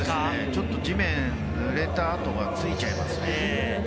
ちょっと地面、濡れた跡がついちゃいますね。